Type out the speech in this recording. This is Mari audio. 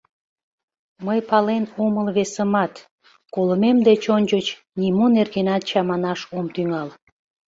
Мый пален омыл весымат, колымем деч ончыч нимо нергенат чаманаш ом тӱҥал.